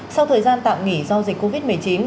sau thời gian tạm nghỉ do dịch covid một mươi chín